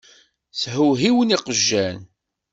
Shewhiwen yeqjan.